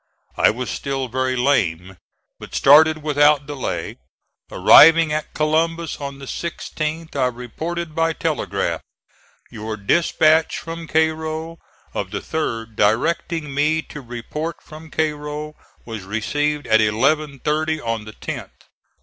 I was still very lame, but started without delay. Arriving at Columbus on the 16th I reported by telegraph: "Your dispatch from Cairo of the 3d directing me to report from Cairo was received at 11.30 on the 10th.